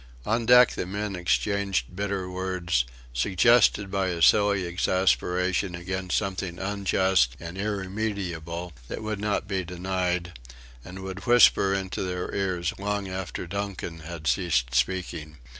On deck the men exchanged bitter words, suggested by a silly exasperation against something unjust and irremediable that would not be denied, and would whisper into their ears long after Donkin had ceased speaking.